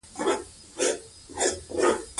اوسنيو په هیڅ شي سرپه ونه کړه.